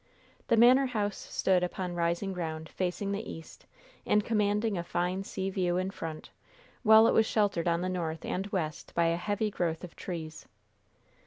The manor house stood upon rising ground, facing the east, and commanding a fine sea view in front, while it was sheltered on the north and west by a heavy growth of trees.